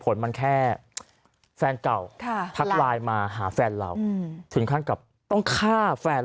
ผลมันแค่แฟนเก่าทักไลน์มาหาแฟนเราถึงขั้นกับต้องฆ่าแฟน